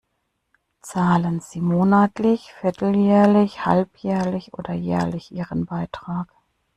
Zahlen sie monatlich, vierteljährlich, halbjährlich oder jährlich ihren Beitrag?